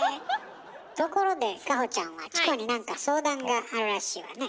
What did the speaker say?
ところで果歩ちゃんはチコに何か相談があるらしいわね。